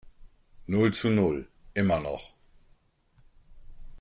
Null zu Null, immer noch.